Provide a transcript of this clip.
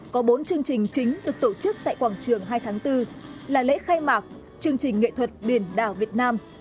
có bốn chương trình chính được tổ chức tại quảng trường hai tháng bốn là lễ khai mạc chương trình nghệ thuật biển đảo việt nam